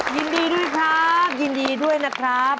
ยินดีด้วยครับยินดีด้วยนะครับ